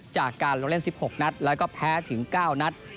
จากการลงเล่นสิบหกนัดแล้วก็แพ้ถึงเก่านับ